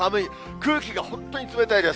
空気が本当に冷たいです。